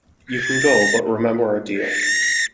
You can go, but remember our deal.